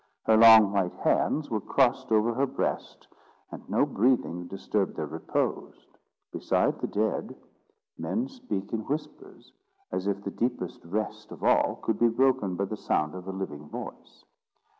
Her long white hands were crossed over her breast, and no breathing disturbed their repose. Beside the dead, men speak in whispers, as if the deepest rest of all could be broken by the sound of a living voice.